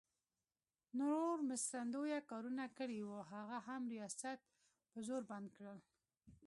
نور مرستندویه کارونه کړي وو، هغه هم ریاست په زور بند کړل.